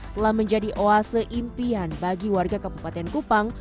telah menjadi oase impian bagi warga kabupaten kupang